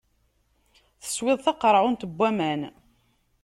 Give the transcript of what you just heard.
Teswiḍ taqeṛɛunt n waman.